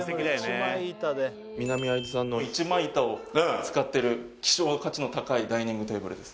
一枚板を使ってる希少価値の高いダイニングテーブルです